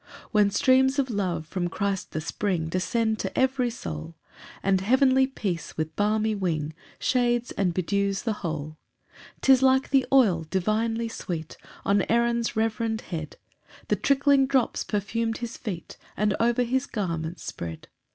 2 When streams of love from Christ the spring Descend to every soul, And heavenly peace, with balmy wing, Shades and bedews the whole; 3 'Tis like the oil divinely sweet, On Aaron's reverend head, The trickling drops perfum'd his feet, And o'er his garments spread.